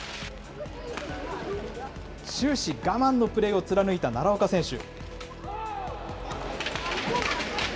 終始、我慢のプレーを貫いた奈良岡選手。